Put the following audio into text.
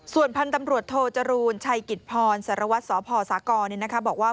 ส่วนพันธุ์ตำรวจโทจรูลชัยกิจพรสารวัตรสพสากรบอกว่า